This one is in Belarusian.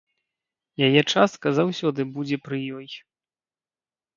Яе частка заўсёды будзе пры ёй.